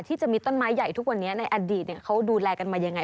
ที่จะมีต้นไม้ใหญ่ทุกวันนี้ในอดีตเขาดูแลกันมายังไง